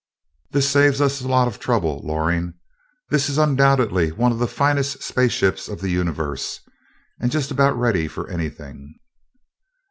"This saves us a lot of trouble, Loring. This is undoubtedly one of the finest space ships of the Universe, and just about ready for anything."